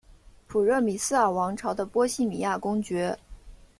普热米斯尔王朝的波希米亚公爵。